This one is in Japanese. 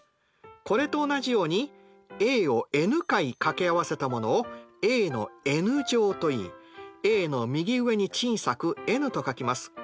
これと同じようにａをｎ回かけ合わせたものをａのｎ乗といいａの右上に小さくｎと書きます。